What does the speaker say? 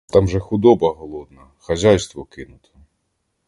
Там же худоба голодна, хазяйство кинуто!